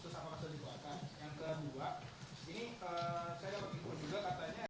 saya juga berpikir juga katanya kalau apa